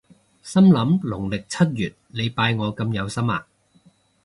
心諗農曆七月你拜我咁有心呀？